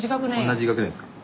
同じ学年ですか。